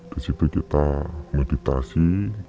di situ kita meditasi